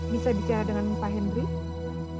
bisa bicara dengan pak henry